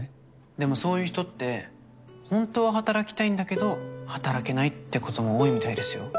でもそういう人って本当は働きたいんだけど働けないってことも多いみたいですよ。